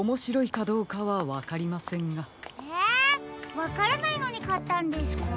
わからないのにかったんですか？